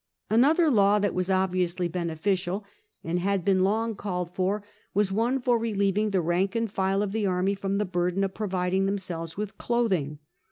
'' Another law that was obviously beneficial, and had been long called for, was one for relieving the rank and file of the army from the burden of providing themselves with clothing.